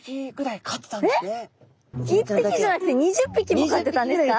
１匹じゃなくて２０匹も飼ってたんですか！？